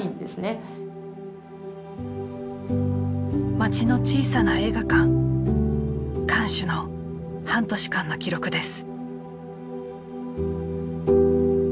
街の小さな映画館館主の半年間の記録です。